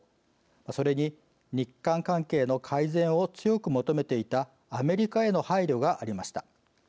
それに、日韓関係の改善を強く求めていたアメリカへの配慮がありました。